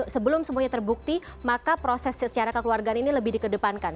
sebelum semuanya terbukti maka proses secara kekeluargaan ini lebih dikedepankan